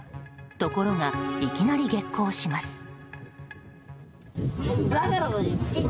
ところがいきなり激高します。